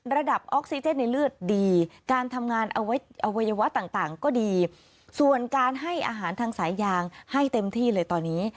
ออกซิเจนในเลือดดีการทำงานอวัยวะต่างก็ดีส่วนการให้อาหารทางสายยางให้เต็มที่เลยตอนนี้